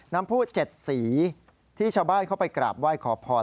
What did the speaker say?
น้ำผู้๗สีที่ชาวบ้านเข้าไปกราบไหว้ขอพร